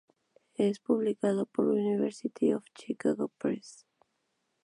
Es publicado por la University of Chicago Press.